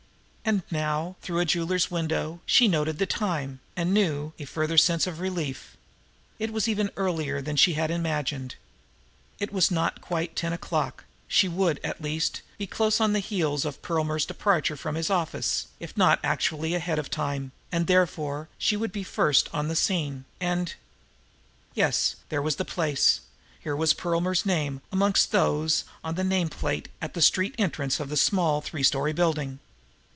And now, through a jeweler's window, she noted the time, and knew a further sense of relief. It was even earlier than she had imagined. It was not quite ten o'clock; she would, at least, be close on the heels of Perlmer's departure from his office, if not actually ahead of time, and therefore she would be first on the scene, and yes, this was the place; here was Perlmer's name amongst those on the name plate at the street entrance of a small three story building.